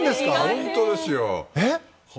本当ですよ。